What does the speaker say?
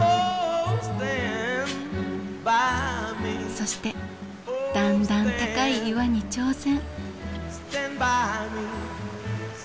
そしてだんだん高い岩に挑戦。